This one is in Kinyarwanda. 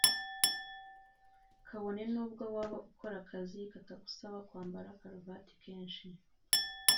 Kabone nubwo waba ukora akazi katagusaba kwambara karuvati kenshi